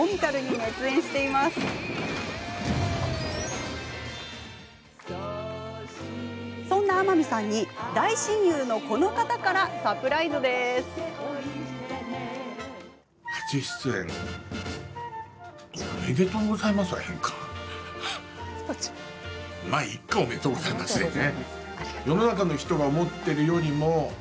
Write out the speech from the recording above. ま、いいかおめでとうございますでね。